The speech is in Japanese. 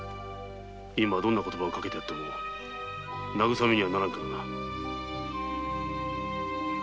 今は言葉をかけてやっても慰めにはならんからな。